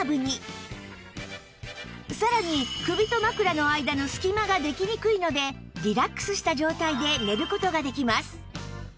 さらに首と枕の間のすき間ができにくいのでリラックスした状態で寝る事ができます